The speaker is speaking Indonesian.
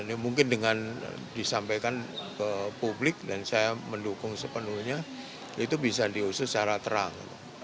tapi kalau saya ke publik dan saya mendukung sepenuhnya itu bisa diusir secara terang